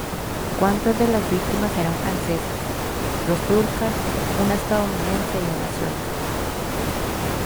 Cuatro de las víctimas eran francesas, dos turcas, una estadounidense y una sueca.